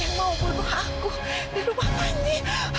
yang mau bunuh aku di rumah panti